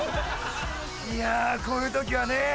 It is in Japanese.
いやこういう時はね